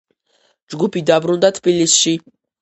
ჯგუფი დაბრუნდა თბილისში.